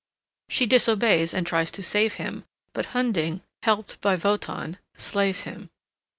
She disobeys and tries to save him, but Hunding, helped by Wotan, slays him.